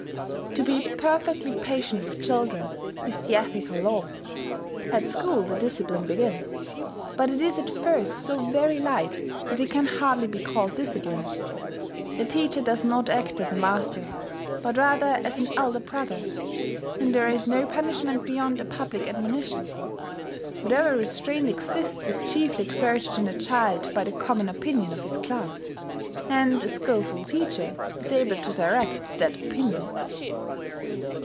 To be perfectly patient with children is the ethical law. At school the discipline begins; but it is at first so very light that it can hardly be called discipline: the teacher does not act as a master, but rather as an elder brother; and there is no punishment beyond a public admonition. Whatever restraint exists is chiefly exerted on the child by the common opinion of his class; and a skilful teacher is able to direct that opinion.